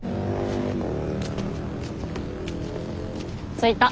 着いた。